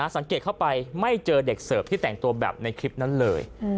สังเกตเข้าไปไม่เจอเด็กเสิร์ฟที่แต่งตัวแบบในคลิปนั้นเลย